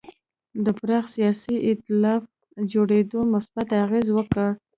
د پراخ سیاسي اېتلاف جوړېدو مثبت اغېز وکړ.